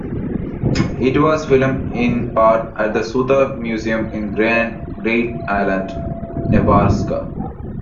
It was filmed in part at the Stuhr Museum in Grand Island, Nebraska.